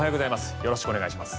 よろしくお願いします。